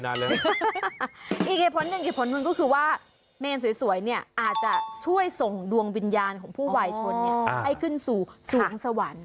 อีกเหตุผลหนึ่งเหตุผลหนึ่งก็คือว่าเมนสวยเนี่ยอาจจะช่วยส่งดวงวิญญาณของผู้วายชนให้ขึ้นสู่สวงสวรรค์